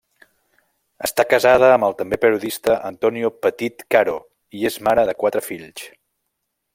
Està casada amb el també periodista Antonio Petit Caro i és mare de quatre fills.